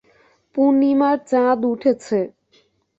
পূর্ণিমার চাঁদ উঠেছে।